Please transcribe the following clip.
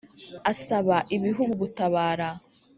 asaba ibihugu gutabara